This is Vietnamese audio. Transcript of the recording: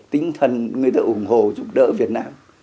tinh thần người ta ủng hộ giúp đỡ việt nam